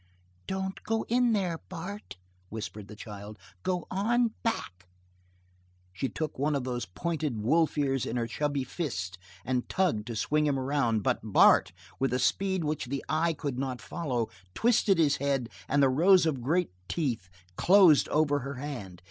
"Don't go in there, Bart!" whispered the child. "Go on back!" She took one of those pointed wolf ears in her chubby fist and tugged to swing him around, but Bart, with a speed which the eye could not follow, twisted his head and the rows of great teeth closed over her hand.